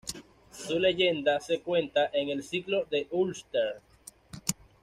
Su leyenda se cuenta en el Ciclo del Ulster.